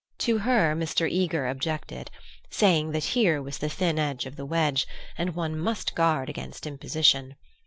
To her Mr. Eager objected, saying that here was the thin edge of the wedge, and one must guard against imposition.